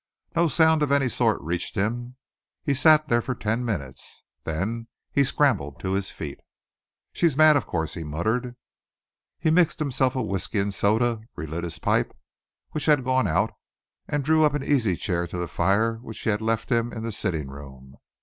No sound of any sort reached him. He sat there for ten minutes. Then he scrambled to his feet. "She is mad, of course!" he muttered. He mixed himself a whisky and soda, relit his pipe, which had gone out, and drew up an easy chair to the fire which she had left him in the sitting room.